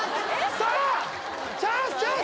さあチャンスチャンス！